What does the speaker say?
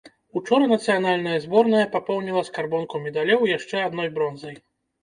Учора нацыянальная зборная папоўніла скарбонку медалёў яшчэ адной бронзай.